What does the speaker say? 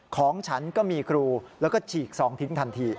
ของฉันก็มีครูแล้วก็ฉีกซองทิ้งทันที